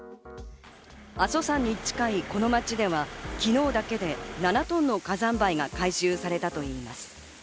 阿蘇山に近いこの町では、昨日だけで７トンの火山灰が回収されたといいます。